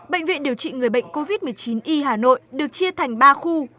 bệnh viện điều trị người bệnh covid một mươi chín y hà nội được chia thành ba khu